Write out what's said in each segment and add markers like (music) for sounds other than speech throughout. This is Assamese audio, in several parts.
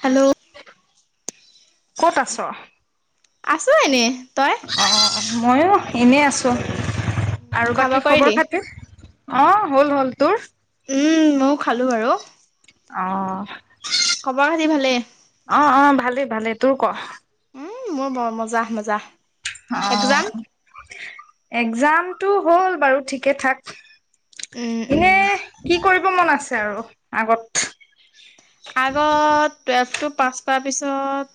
হেল্ল' ক'ত আছ আছো এনে তই অ ময়ো এনেই আছোঁ উম আৰু খোৱা বাকী বোৱা খবৰ কৰিলি খাতি অ হ'ল হ'ল তোৰ উম মইও খালো বাৰু অ খবৰ খাতি ভালে অ অ ভালেই ভালেই তোৰ ক উম মোৰ বৰ মজা মজা অ এক্জাম একজাম টো হ'ল বাৰু ঠিকে থাক উম এনে উম কি কৰিব মন আছে আৰু আগত আগত টেষ্ট টো তা পিছত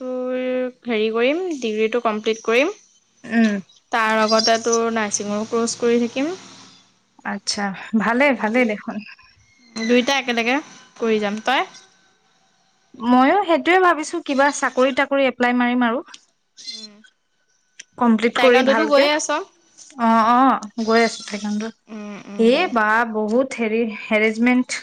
তোৰ হেৰি কৰিম ডিগ্ৰীটো কমপ্লিট কৰিম উম তাৰ লগতে তোৰ নাৰ্ছিঙো ক্ৰছ কৰি থাকিম আচ্ছা ভালে ভালে দেখোন দুইটা একেলগে কৰি যাম তই ময়ো সেইটোোৱে ভাবিছো কিবা চাকৰি তাকৰি এপ্লাই মাৰিম আৰু উম কমপ্লিট কৰি ভালকে অ অ গৈ আছো থো (unintelligible) উম উম এই বা বহুত হেৰি হেৰেজমেণ্ট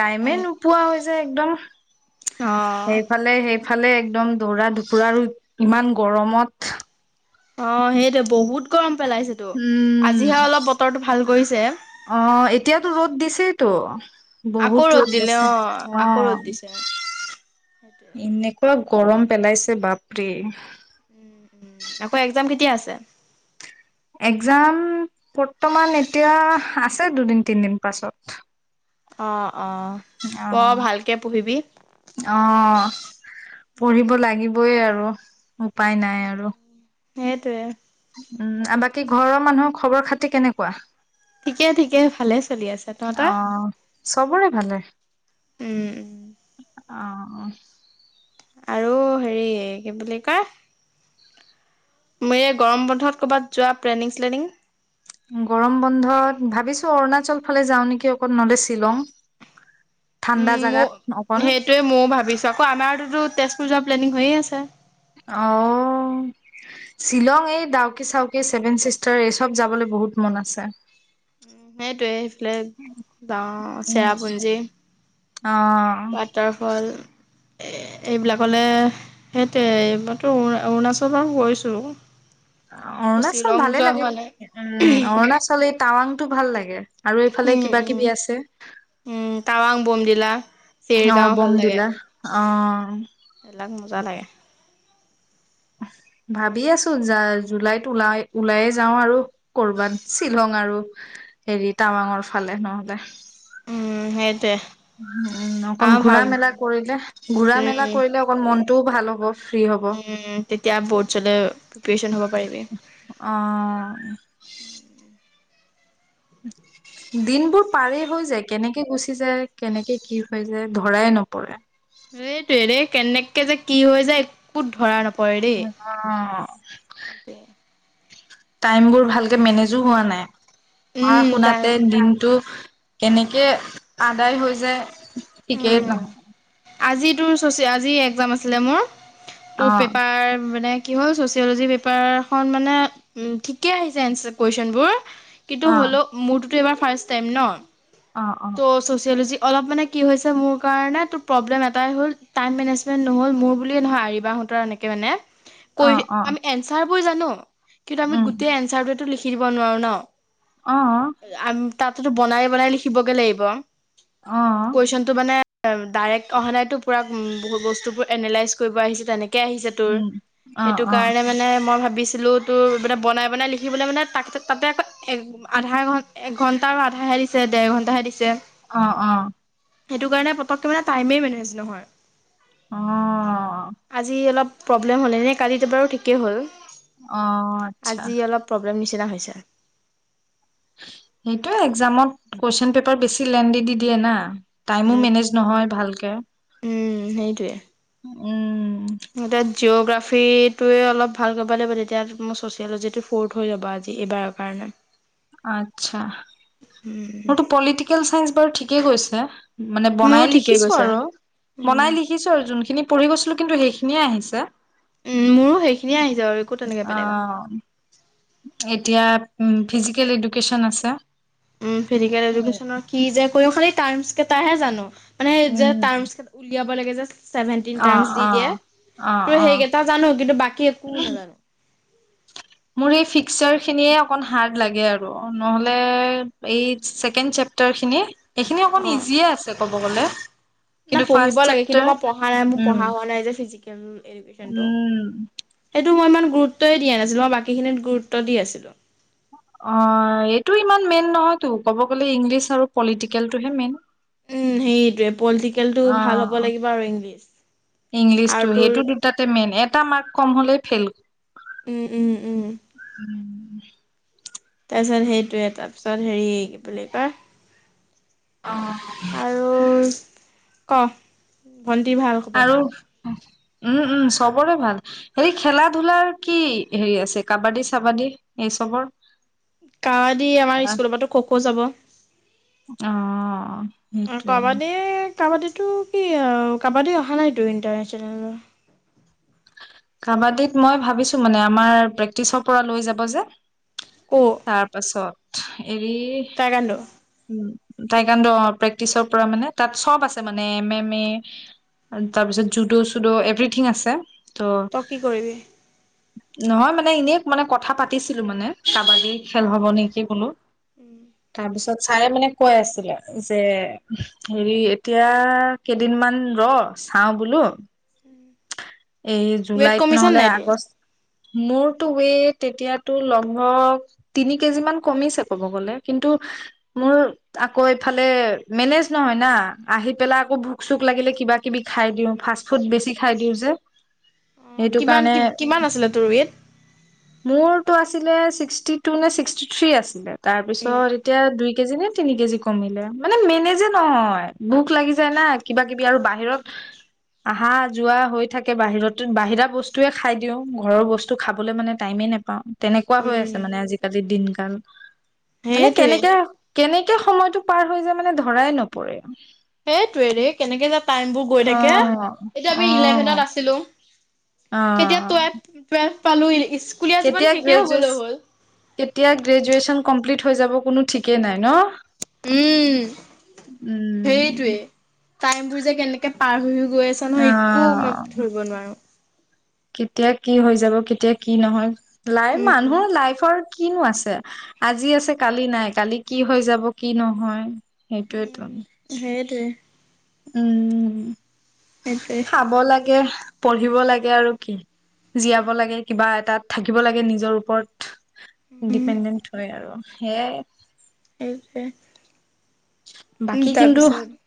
টাইমে উম নোপোৱা হৈ যে একদম অ সেইফালে সেইফালে একদম দৌৰা দুুপুৰা আৰু ইমান গৰমত অ সেইটোৱে বহুত গৰম পেলাইছেতো উম আজিহে অলপ বতৰটো ভাল কৰিছে তো আকৌ বহুত ৰ'দ ৰোগ দিলে গছে অ আকৌ ৰ'দ দিছে। এনেকুৱা গৰম পেলাইছে বাপৰে উ উ আকৌ এক্জাম কেতিয়া আছে এক্জাম বৰ্তমান এতিয়া আছে দুদিন তিনদিন পাছত অ অ'। পঢ় অহ ভালকে পঢ়িবি, আহহ পঢ়িব লাগিবই আৰু ৰ উপায় নাই আৰু সেইটোৱে উম আৰু বাকী ঘৰৰ মানুহৰ খবৰ খাতি কেনেকুৱা ঠিকে ঠিকে ভালে চলি আছে তহত অ চবৰে ভালে উম উম অ আৰু হেৰি কি বুলি কয় মোৰে গৰম বন্ধত কৰ'বাত যোৱা প্লেনিং শ্লেনিং গৰম বন্ধত ভাবিছো অৰুণাচল ফালে যাওঁ নেকি অকণ ন'লে শ্বিলং উম ঠাণ্ডা ম জাগাত অকণ সেইটোয়ে ময়ও ভাবিছো আকৌ আমাৰোতো তেজ চজা প্লেনিং হৈয়ে আছে অ শ্বিলং এই ডাউকে চাউকে চছেভেন চিষ্টাৰ এই চব যাবলৈ বহুত মন আছে উ সেইটয়ে এইফালে যাও উম। চেৰাপুঞ্জী অ এইবিলাকলৈ সেইটোৱে এইবইতোণ (unintelligible) অৰুণাচল আৰু গৈছোঁ ত অৰুণাচল শ্বিলং ভালে যোৱা লাগে হোৱা নাই। উম অৰুণাচলত টাৱাং টো ভাল লাগে আৰু এইফালে উম কিবা উম কিবি আছে উম টাৱাং বমডিলা অ চেৰগাঁও ভাল লাগে। বমদিলা অঁ এইবিলাক মজা লাগে ভাবি আছো যা জুলাইত ওলাই ওলাইয়ে যাওঁ আৰু কৰবাত শ্বিলং আৰু হেৰি টাৱাঙৰ ফালে নহ'লে মেদ উম অকন ঘুৰা মেলা কৰিলে ঘুৰা মেলা উম কৰিলে অকণ মন টোও ভাল হ'ব ফ্ৰী হ'ব। উম তেতিয়া বৰ্ডচেলে পিপিয়েচন হব পা অ উ দিনবোৰ পাৰেই হৈ যায় কেনেকে গুচি যাই কেনেকে কি হৈ যায় ধৰাই নপৰে এইটোয়ে দেই কেনেককে যে কি হৈ যায় একোত ধৰা নাপ উম অ তাকে টাইম বোৰ ভালকে মেনেজো হোৱা নাই পঢ়া উম টাইম শুনাতে দিনটো কেনেকে আদায় হৈ যায় ঠিকেই উম ন আজি তোৰ চৈচে আজি এক্সাম আছিলে মোৰ। তোৰ অ', পেপাৰ মানে কি হল ছৈচেলজিৰ পেপাৰ খন মানে, ঠিকে আহিছে এনচা কুৱেশ্যনবোৰ। কিন্তু অ', হ'লেও মুঠ তোৰ এবাৰ ফাৰ্ষ্ট টাইম ন। অ', অ', তো ছৈচে'লজি অলপ মানে কি হৈছে মোৰ কাৰণে তোৰ প্ৰব্লেম এটাই হ'ল, টাইম মেনেজমেণ্ট নহ'ল, মোৰ বুলিয়ে নহয় আৰিবা সঁতৰ এনেকে মানে। কৈ অ', হে অ', আমি এনচাৰ বোৰ জানো। কিন্তু আমি উম, গোটেই এনচাৰটোৱেতো লিখ খিব নোৱাৰো ন। অ, অ। তাতেতো বনাই বনাই লিখি লিখিবগে লাগিব। কুৱেছচন টো মানে ডাইৰেক্ট অহা নাইতো পুৰা উম, বহুত বস্তু বোৰ এনলাইজ কৰিব আহিছে তেনেকে তেনেকে আহিছে তোৰ, উম, অ', সেইটো অ', কাৰণে মানে মই ভাবিছোঁ ছিলো তোৰ মানে বনাই বনাই লিখিবলে মানে তাক তাক তাতে আকৌ এক আধা ঘণ এক ঘণ্টা আৰু আধাহে দিছে দেৰ ঘণ্টা অ, অ। সেইটো কাৰণে পতককে মানে টাইমে মেনেজ নহয়। অ', আজি অলপ প্ৰব্লেম হ'লেনে কালিতো বাৰু ঠিকেই হ'ল। অ', আচ্ছা। আজি অলপ প্ৰব্লেম নিচ নিচিনা হৈছে। সেইটোয়ে এক্সামত, কুৱেশ্যন পেপাৰ বেছি লেনদি দি দিয়ে না। টাইমো উম, মেনেজ নহয় ভালকে। উম, উম। সিহঁতে জিঅগ্ৰাফ ফ্ৰী টোৱে অলপ ভাল কৰিব লাগিব তেতিয়া মোৰ ছচিয়লজিটো ফ'ৰ্থ হৈ ৰ'ব আজি এইবাৰৰ কাৰণে। মোৰটো পলিটিকেল চাইন্স বাৰু ঠিক কে গৈছে? মানে মোৰো বনাই ঠিকেই লিখিছোঁ গৈছে। আৰু, উম। বনাই লিখিছোঁ আৰু যোনখিনি পঢ়ি গৈছিলো কিন্তু সেইখিন ধুনীয়া আহিছে। উম, মোৰো সেইখিনিয়েই আহিছে বাৰু একো তেনেকে অ বেলেগ অহা নাই। এতিয়া উম ফিজিকেল এডুকেশ্যন আছে। উম, ফিজিকেল এডুকেশ্যনৰ। কি যে কয়, খালি! টাৰ্মচ কেইটাহে জানো। মানে, এই যে উম টাৰ্মছ কেইটা উলিয়াব। কৰিব লাগে যে চেভেনটিন অ টাৰ্মছ দি অ দিয়ে, অ তো অ সেইকেইটা জানো, কিন্তু বাকী একো নেজানো। মোৰ এই ফিক্সাৰখিনিয়ে অকণ হাৰ্ড লাগে আৰু নহ'লে এই চেকেণ্ড চেপ্টাৰখিনি। সেইখিনি অকণ অ', ইজিয়ে আছে। ক'ব গ'লে না, কিন্তু পঢ়িব ফাৰ্ষ্ট লাগে, কিন্তু চেপ্টাৰ মই পঢ়া নাই। মোৰ উম পঢ়া হোৱা নাই যে, ফিজি। কেমম কেনটো উম এইটো মই ইমান গুৰুত্বই দিয়া নাছিলোঁ, মই বাকীখিনিত গুৰুত্ব দি আছিলোঁ। অঁ, এইটো ইমান মেইন নহয়তো। ক'ব গ'লে, ইংলিছ আৰু পলিটিকেলটোহে মেইন। উম, সেইটোৱেই। অ', ইংলিছটো আৰু তোৰ সেইটো দুয়োটাই মেইন। এটা মাৰ্ক কম হ'লেই ফেইল। উম, উম, উম। উম। তাৰপিছত, সেইটোৱেই, তাৰপিছত, হেৰি কি বুলি কয় অঁ। উম্, ক। ভণ্টিৰ ভাল খবৰ। আৰু উম, উম, চবৰে ভাল, হেৰি, খেলা-ধূলাৰ কি হেৰি আছে? কাবাডী-চাবাডী, এই চবৰ? কাবাডী, আমাৰ স্কুলৰ পৰাটো খো-খো যাব। অ', সেইটোৱে। কাবাডীতো কি আৰু কাবাডী অহা নাইটো ইণ্টাৰনেশ্যনেললৈ। কাবাডীত, মই ভাবিছোঁ মানে, আমাৰ প্ৰেক্টিচৰ পৰাই লৈ যাব যে। ক তাৰ পাছত (inaudible) এৰি টাইকাণ্ড উম টাইকাান্ড অ প্ৰেক্টিচৰ পৰা মানে, তাত চব আছে মানে, এম -এম -এ, তাৰপিছত জুডো চুডো এভৰিথিং আছে। ত' তই কি কৰিবি? নহয়, মানে, এনেই মানে কথা পাতিছিলোঁ মানে, কাবাডী খেল হ'ব নেকি বোলো। তাৰপিছত ছাৰে মানে কৈ আছিলে যে হেৰি এতিয়া কেইদিনমান ৰ চাও বোলো। এই ৱেইট জুলাইত কমিছে নহ'লে নাই তোৰ আগষ্ট মোৰতো ৱেইট এতিয়াতো লগভগ তিনি কেজি মান কমিছে ক'ব গলে, কিন্তু মোৰ আকৌ এইফালে মেনেজ নহয় না, আহি পেলাই আকৌ ভোক চোক লাগিলে কিবা কিবি খাই দিওঁ ফাষ্ট ফুড বেছি খাই দিওঁ যে। অঁ সেইটো কাৰণে কিমান-কিমান আছিলে তোৰ ৱেত। টো আছিলে ছিক্সটি টু নে ছিক্সটি থ্ৰী আছিলে। তাৰপিছত উম এতিয়া দুই কেজি নে তিনি কেজি কমিলে, মানে মেনেযে নহয় ভোক লাগি যায় না কিবা কিবি আৰু বাহিৰত আহা যোৱা হৈ থাকে বাহিৰতো বাহিৰা বস্তুয়ে খাই দিওঁ ঘৰৰ বস্তু খাবলৈ মানে টাইমেই নেপাওঁ। তেনেকুৱা হৈ আছে উম মানে আজিকালি দিন কাল মানে সেইটোৱে কেনেকে কেনেক কে সময়তটো পাৰ হৈ যায় মানে ধৰাই নপৰে। সেইটোয়ে ৰে কেনেকে যে টাইম বোৰ গৈ থাকে, অ', এতিয়া মি অ', ইলেভেনত আছিলো কেতিয়া অ', টুৱেল টেল কালি স্কুল কেতিয়া গ্ৰেজ কেতিয়া গ্ৰেজচন কমপ্লিট থৈ যাব কোনো ঠিকেই নাই ন উম উম, সেইটোৱে টাইম বোৰ যে কেনেকে পাৰ হৈ গৈ আছা নহয় একো অলপ অ', ধৰিব নোৱাৰো কেতিয়া কি হৈ যাব কেতিয়া কি নহয় লাইফ উম মানুহ লাইফৰ কিনো আছে আজি আছে কালি নাই কালি কি হৈ যাব কি নহয় সেইটোৱেইতো কেই (unintelligible) উম সেইটোৱে খাব লাগে পঢ়িব লাগে আৰু কি জীয়াব লাগে কিবা এটাত থাকিব লাগে নিজৰ ওপৰত উম ডিপেণ্ডেন্ট হয় আৰু হেইয়াই এইবছে বাকী কিন্তু তাৰপিছত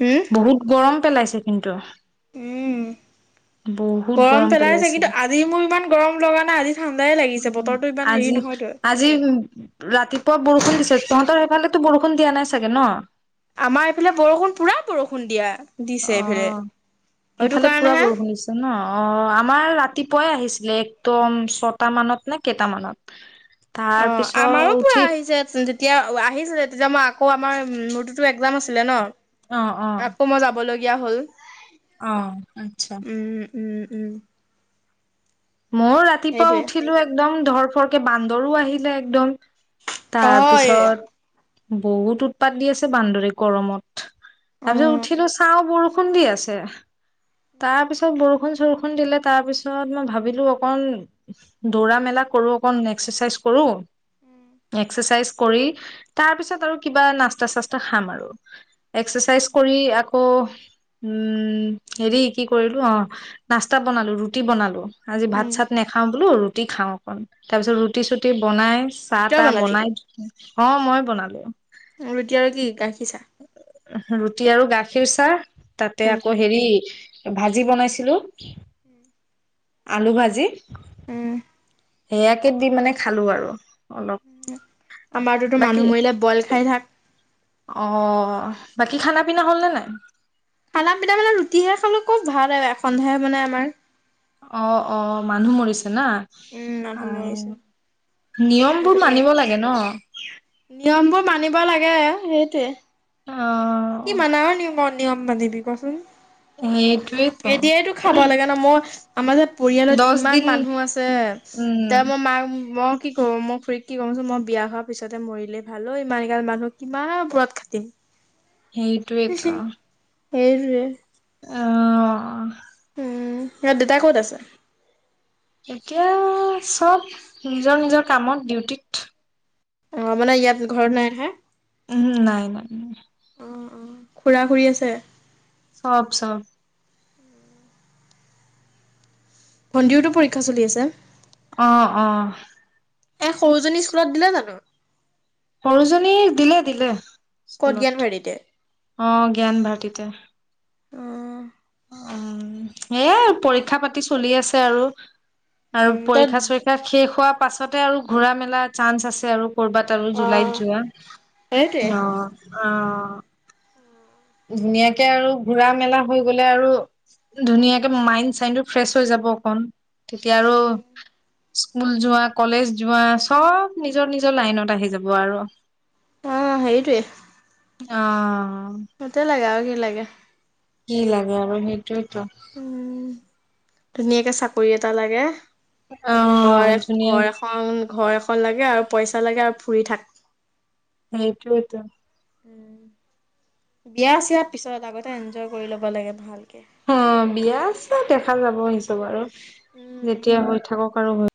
হম বহুত গ গৰম পেলাইছে কিন্তু উম বহুত গৰম পেলাইছে কিন্তু আজি মোৰ ইমান গৰম লগা নাই আজি ঠাণ্ডাই লাগিছে বতৰটো ইমান হেৰি আজি নহয়তো আজি ৰাতিপুৱা বৰষুণ দিছে তহঁতৰ সেইফালে বৰষু দিয়া নাই চাগে ন আমাৰ এইফালে বৰষুণ পুৰা বৰষুণ দিয়া দিছে অ এইফালে সেইটো সেইফালে পুৰা কাৰণেহে বৰষুণ দিছে ন অ আমাৰ ৰাতি পুৱাই আহিছিলে একদম ছয়টা মানত নে কেইট মানত অ আমাৰো পুৰা আহিছে তেতিয়া আহিছিলে তেতিয়া মই আকৌ আমাৰ মূৰ্ততো এক্জাম আছিলে ন আকৌ মই যাব লগীয়া হ'ল আহ আচ্ছা ওম ওম মই ৰাতিপুৱা উঠিলো একদম ধৰফৰ ে বান্দৰো আহিলে একদম অ তাৰ পিছত। বহুত উৎপাত দি আছে বান্দৰীক গৰমত। অ তাৰপিছত উঠিলো চাও বৰষুণ দি আছে, তাৰপিছত বৰষুণ চৰষুণ দিলে তাৰ পিছত মই ভাব। ভাবিলো অকণ দৌৰা মেলা কৰো অকণ এক্সাৰচাইজ কৰো। এক্সাৰচাইছ কৰি তাৰ পিছত আৰু কিবা নাস্তা চাস্তা খাম আৰু। এক্সাৰচাইজ কৰি। আকৌ উম হেৰি, কি কৰিলো অ, নাস্তা বনালো ৰুটি বনালো। আজি ভাত উম চাত নাখাওঁ বোলো। ৰুটি খাওঁ অকণ, তাৰ পিছত ৰুটি চুটি বনাই। চাহ তই তাহ বনালি বনাই (inaudible) অ মই বনালো। ৰুটি আৰু কি ক। ৰুটি আৰু গাখ। ফিউচাৰ। তাতে উম আকৌ হেৰি। ভাজি বনাইছিলো। (inaudible) আলু ভাজি। উম। সেয়াকে দি মানে খালো আৰু। অলপ আমাৰতোতো বাকী মানুহ মৰিলে বইল খাই থাক। অ অ বাকী খানা পিনা হ'লনে নাই? খানা পিনা মানে, ৰুটিহে খালো। খব (unintelligible) ভালহে এখনহে বনাই আমাৰ। অ অ মানুহ মৰিছে। না উম মানুহ মৰিছে সেইটো নিয়মবোৰ হয় মানিব লাগে ন? নিয়মবোৰ মানিব লাগে, সেইটোৱে। অ কিমান আও (unintelligible) নিয়ম বান্ধিবি কচোন? সেইটোৱেতো এতিয়াইতো খাব লাগে ন, মই। আমাৰ যে পৰিয়ালত দহ ইমান দিন মানুহ আছে, উম তেওঁ মই মাক মই কি। অ মই খুৰীক কি কমচোন, মই বিয়া হোৱাৰ পিছতে মৰিলেই ভাল ঐ, ইমান গাল মানুহ কিমান বত খাাটিম। সেইটোৱেই টো সেইটোৱে। আহ অহ। উম (unintelligible) দেউতাই ক'ত আছে? এতিয়া চব নিজৰ নিজৰ কামত, ডিউটিত। অ মানে ইয়াত ঘৰত নাই নহয়? উহোঁ নাই নাই। অঁ অঁ খুৰা খুৰী আছে চব চব ভণ্টীৰোতো পৰীক্ষা চলি আছে অ অ এ সৰুজনী স্কুলত দিলে জানো সৰুজনী দিলে দিলে স্কুলত ক'তগিয়ান ভৰিতে অ জ্ঞান ভাৰটিতে উ অ এ পৰীক্ষা পাতি চলি আছে আৰু আৰু তাত পৰীক্ষা চৰীক্ষা শেষ হোৱা পাছতে আৰু ঘুৰা মেলা চান্স আছে আৰু ক'ৰবাত আৰু অ জুলাইত যোৱা সেইটোৱে অ অ ধুনীয়াকে আৰু ঘুৰা মেলা হৈ গলে আৰু ধুনীয়াকে মাইণ্ড চাইটো ফ্ৰেছ হৈ যাব অকণ তেতিয়া আৰু স্কুল যোৱা কলেজ যোৱা চব নিজৰ নিজৰ লাইনত আহি যাব আৰু অ হেইটোৱে অ সেইটোৱে লাগে আৰু কি লাগে কি লাগে আৰু সেই টো (unintelligible) উম ধুনীয়াকে চাকৰি এটা লাগে অ', ঘৰ এ ধুনীয়া ঘৰ এখন ঘৰ এখন লাগে আৰু পইচা লাগে আৰু ফুৰি থাক হেইটোৱেটো উম বিয়া চিয়াৰ পিছত আগতে এনজয় কৰি ল'ব লাগে ভাল অ বিয়া দেখা যাব সিচব (unintelligible) আৰু উম যেতিয়া হৈ থাকক কৰ হয়